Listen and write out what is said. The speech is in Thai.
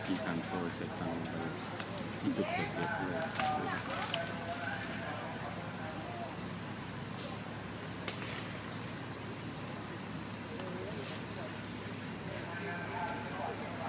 กินกันโทรเสร็จกันเลยที่จุดเกิดเกิดด้วย